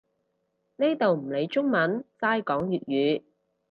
呢度唔理中文，齋講粵語